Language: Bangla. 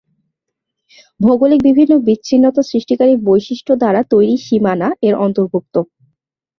ভৌগোলিক বিভিন্ন বিচ্ছিন্নতা সৃষ্টিকারী বৈশিষ্ট্য দ্বারা তৈরি সীমানা এর অন্তর্ভুক্ত।